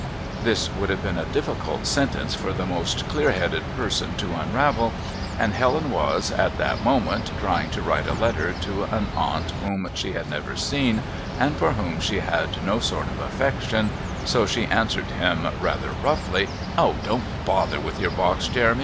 This would have been a difficult sentence for the most clear headed person to unravel, and Helen was, at that moment, trying to write a letter to an aunt whom she had never seen and for whom she had no sort of affection, so she answered him rather roughly: "Oh, don't bother with your box, Jeremy.